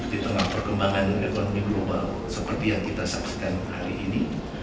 dan mengembangkan ekonomi global seperti yang kita saksikan hari ini